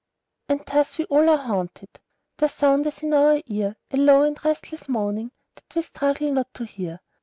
And thus we all are haunted, there soundeth in our ear, A low and restless moaning, that we struggle not to hear.